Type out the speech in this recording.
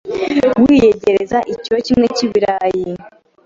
wiyegereza ikiro kimwe k’ibirayi,